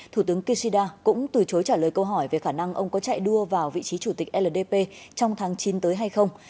thủ tướng kishida cũng từ chối trả lời câu hỏi về khả năng ông có chạy đua vào vị trí chủ tịch ldp trong tháng chín tới hay không